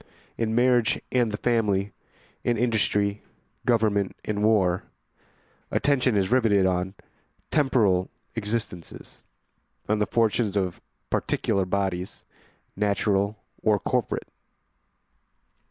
In marriage and the family, in industry, government, and war, attention is riveted on temporal existences, on the fortunes of particular bodies, natural or corporate.